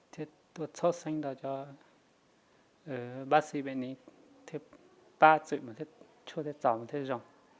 thầy thuốc châu sinh đó cho bác sĩ bệnh nhân bác giữ mà chua chứ chào mà thầy rộng